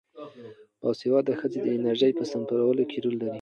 باسواده ښځې د انرژۍ په سپمولو کې رول لري.